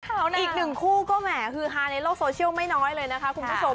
อีกหนึ่งคู่ก็แหมฮือฮาในโลกโซเชียลไม่น้อยเลยนะคะคุณผู้ชม